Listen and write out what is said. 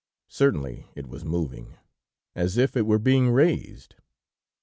Certainly, it was moving, as if it were being raised.